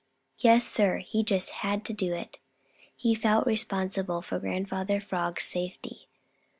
Yes, Sir, he just had to do it. He felt re spon sible for Grandfather Frog's safety.